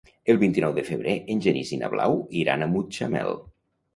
El vint-i-nou de febrer en Genís i na Blau iran a Mutxamel.